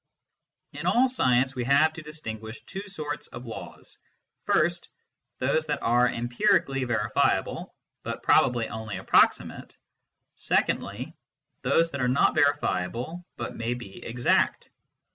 In all science we have to distinguish two sorts of laws : first, those that are empirically verifiable but probably only approximate ; secondly, those that are not verifiable, but may be exact.